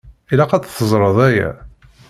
Ilaq ad t-teẓṛeḍ aya.